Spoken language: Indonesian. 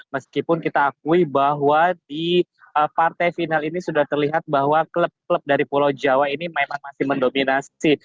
meskipun kita akui bahwa di partai final ini sudah terlihat bahwa klub klub dari pulau jawa ini memang masih mendominasi